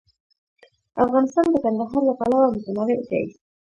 افغانستان د کندهار له پلوه متنوع دی.